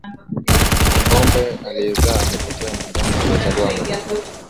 Ng'ombe aliyezaa amepotea na ndama aliyezaliwa amekufa.